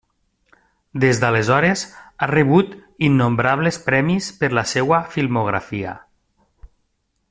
Des d'aleshores, ha rebut innombrables premis per la seva filmografia.